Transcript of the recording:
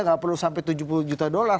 nggak perlu sampai tujuh puluh juta dolar